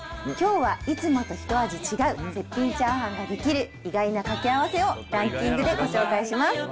きょうはいつもと一味違う絶品チャーハンができる、意外な掛け合わせをランキングでご紹介します。